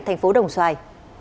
thành phố đồng xoài